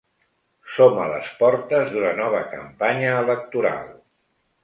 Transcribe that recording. Som a les portes d’una nova campanya electoral.